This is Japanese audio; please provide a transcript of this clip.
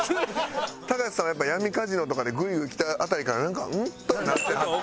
隆さんはやっぱ闇カジノとかでグイグイきた辺りからなんか「うん？」とはなってはった。